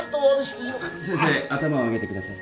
先生頭を上げてください。